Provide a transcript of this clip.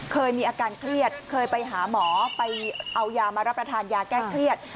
เคยมีอาการเครียดเคยไปหาหมอไปเอายามารับประทานยาแก้เครียด